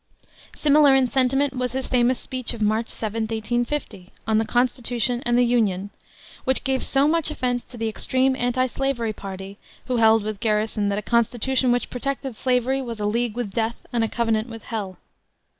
Similar in sentiment was his famous speech of March 7, 1850, On the Constitution and the Union, which gave so much offense to the extreme Antislavery party, who held with Garrison that a Constitution which protected slavery was "a league with death and a covenant with hell."